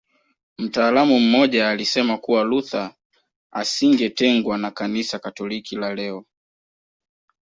Mtaalamu mmoja alisema kuwa Luther asingetengwa na Kanisa Katoliki la leo